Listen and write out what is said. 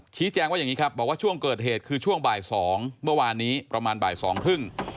ชี้แจงว่าอย่างนี้ครับบอกว่าช่วงเกิดเหตุคือช่วงบ่าย๒เมื่อวานนี้ประมาณบ่ายสองครึ่ง